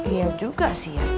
iya juga sih ya